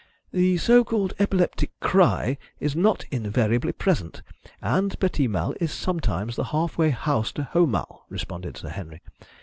"The so called epileptic cry is not invariably present, and petit mal is sometimes the half way house to haut mal," responded Sir Henry.